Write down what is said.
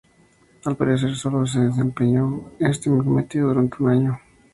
Al parecer solo desempeñó este cometido durante un año.